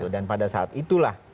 dan pada saat itulah